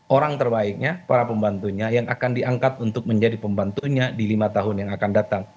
orang terbaiknya para pembantunya yang akan diangkat untuk menjadi pembantunya di lima tahun yang akan datang